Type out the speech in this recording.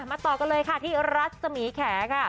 มาต่อกันเลยค่ะที่รัสสมีแขก